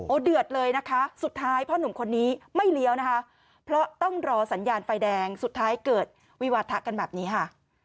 เดือดเลยนะคะสุดท้ายพ่อหนุ่มคนนี้ไม่เลี้ยวนะคะเพราะต้องรอสัญญาณไฟแดงสุดท้ายเกิดวิวาทะกันแบบนี้ค่ะ